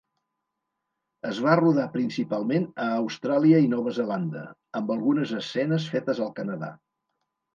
Es va rodar principalment a Austràlia i Nova Zelanda, amb algunes escenes fetes al Canadà.